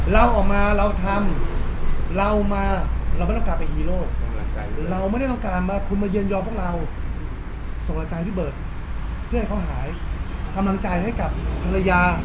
เราออกมาเราทำเรามาเราไม่ต้องการเป็นฮีโร